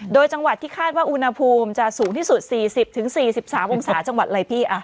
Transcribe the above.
โดยจังหวัดที่คาดว่าอุณหภูมิจะสูงที่สุด๔๐๔๓องศาจังหวัดอะไรพี่